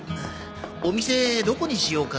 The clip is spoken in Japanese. お店どこにしようか？